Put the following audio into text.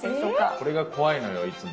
これが怖いのよいつも。